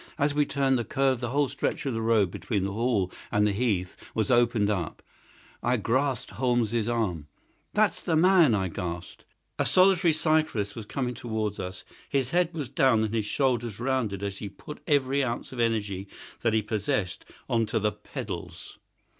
As we turned the curve the whole stretch of road between the Hall and the heath was opened up. I grasped Holmes's arm. "That's the man!" I gasped. A solitary cyclist was coming towards us. His head was down and his shoulders rounded as he put every ounce of energy that he possessed on to the pedals.